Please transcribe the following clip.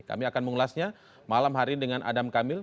kami akan mengulasnya malam hari dengan adam kamil